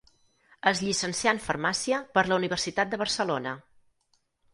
Es llicencià en farmàcia per la Universitat de Barcelona.